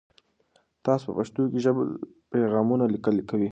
تاسو په پښتو ژبه د پیغامونو لیکل کوئ؟